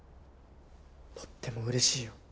とってもうれしいよ。